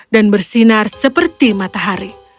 dan bersinar seperti matahari